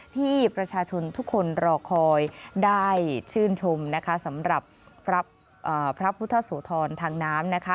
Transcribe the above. ที่ประชาชนทุกคนรอคอยได้ชื่นชมนะคะสำหรับพระพุทธโสธรทางน้ำนะคะ